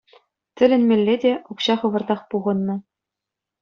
Тӗлӗнмелле те, укҫа хӑвӑртах пухӑннӑ.